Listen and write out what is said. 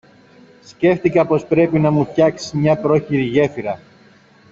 Σκέφθηκα πως πρέπει να μου φτιάσεις μια πρόχειρη γέφυρα.